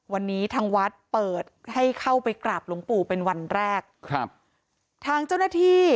วันนี้ทางวัดเปิดให้เข้าไปกราบหลวงปู่เป็นวันแรกครับทางเจ้าหน้าที่